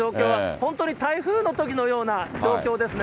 本当に台風のときのような状況ですね。